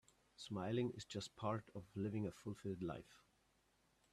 Smiling is just part of living a fulfilled life.